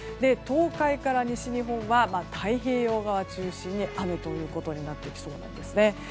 東海から西日本は太平洋側中心に雨ということになってきそうなんですね。